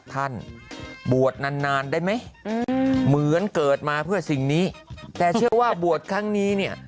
ท่านบวชนานนานได้ไหมเหมือนเกิดมาเพื่อสิ่งนี้แต่เชื่อว่าบวชครั้งนี้เนี่ย